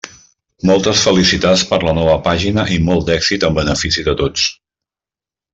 Moltes felicitats per la nova pàgina i molt d'èxit en benefici de tots.